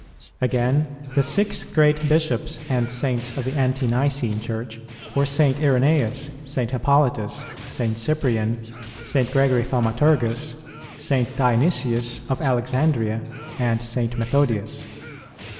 [16:1] Again, the six great Bishops and Saints of the Ante nicene Church were St. Irenæus, St. Hippolytus, St. Cyprian, St. Gregory Thaumaturgus, St. Dionysius of Alexandria, and St. Methodius.